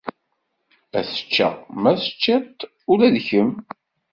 Ad t-ččeɣ, ma teččiḍ-t ula d kem.